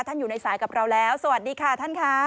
อยู่ในสายกับเราแล้วสวัสดีค่ะท่านค่ะ